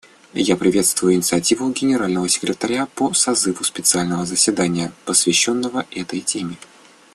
Я приветствую инициативу Генерального секретаря по созыву специального заседания, посвященного этой теме.